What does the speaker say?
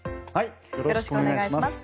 よろしくお願いします。